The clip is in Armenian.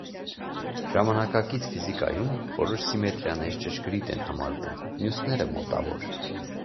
Ժամանակակից ֆիզիկայում որոշ սիմետրիաներ ճշգրիտ են համարվում, մյուսները՝ մոտավոր։